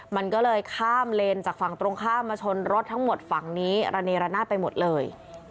มันก็เลยข้ามเลนจากฝั่งตรงข้ามมาชนรถทั้งหมดฝั่งนี้ระเนรนาศไปหมดเลย